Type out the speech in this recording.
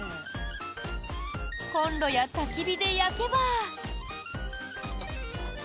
コンロや、たき火で焼けば。